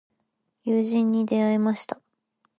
友人に出会いました。